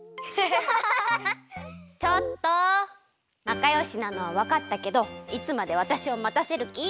なかよしなのはわかったけどいつまでわたしをまたせるき？